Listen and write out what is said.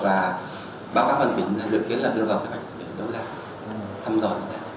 và báo các bản tính dự kiến là đưa vào cảnh để đối với thăm dò